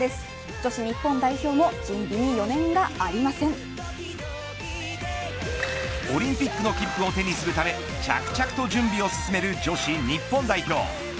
女子日本代表もオリンピックの切符を手にするため着々と準備を進める女子日本代表。